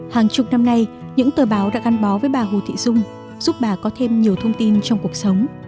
hàng chục năm nay những tờ báo đã gắn bó với bà hồ thị dung giúp bà có thêm nhiều thông tin trong cuộc sống